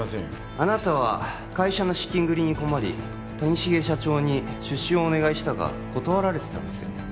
あなたは会社の資金繰りに困り谷繁社長に出資をお願いしたが断られてたんですよね